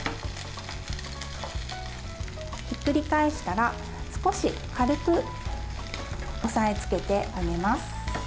ひっくり返したら少し軽く押さえつけてあげます。